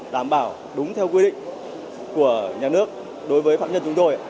đảm bảo đúng theo quy định của nhà nước đối với phạm nhân chúng tôi